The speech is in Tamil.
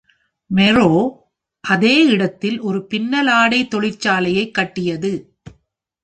Merrow அதே இடத்தில் ஒரு பின்னலாடை தொழிற்சாலையைக் கட்டியது.